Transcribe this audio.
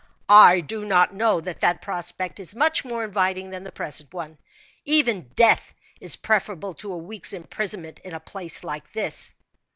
"I do not know that that prospect is much more inviting than the present one. Even death is preferable to a week's imprisonment in a place like this."